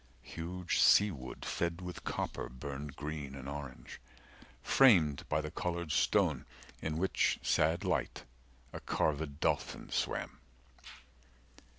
Huge sea wood fed with copper Burned green and orange, framed by the coloured stone, 95 In which sad light a carvèd dolphin swam.